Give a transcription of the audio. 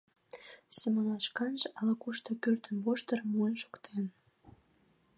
Семонат шканже ала-кушто кӱртньывоштырым муын шуктен.